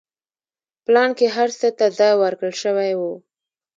پلان کې هر څه ته ځای ورکړل شوی و.